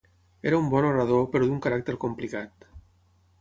Era un bon orador però d'un caràcter complicat.